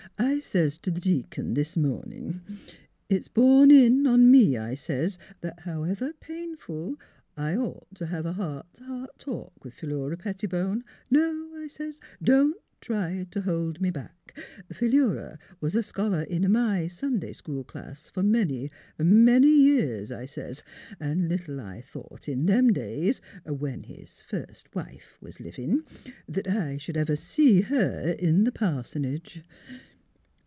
I sez t' the Deacon this mornin'. * It's borne in upon me,' I sez, ' that, 270 THE HEAET OF PHILURA however painful, I'd ought t' have a heart t' heart talk with Philura Pettibone. No,' I sez, * don't try to hold me back. Philura was a scholar in my Sunday school class fer many, many years,' I sez, ' an' little I thought in them days, when his first wife was livin', that I sh'd ever see her in the pars'nage.'